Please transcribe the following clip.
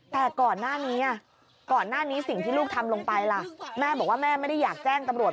แต่ก่อนหน้านี้ก่อนหน้านี้สิ่งที่ลูกทำลงไปล่ะแม่บอกว่าแม่ไม่ได้อยากแจ้งตำรวจ